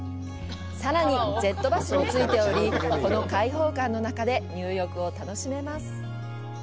さらにジェットバスもついており、この開放感の中で入浴を楽しめます。